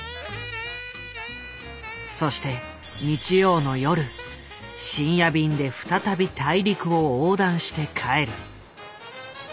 そして日曜の夜深夜便で再び大陸を横断して帰る。